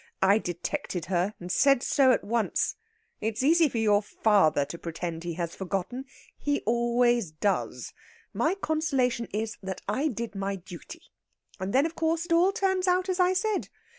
I detected her, and said so at once. It is easy for your father to pretend he has forgotten. He always does. My consolation is that I did my duty. And then, of course, it all turns out as I said.